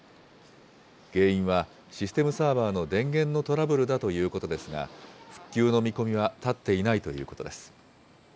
原因は、システムサーバーの電源のトラブルだということですが、復旧の見込みは立っていないということです。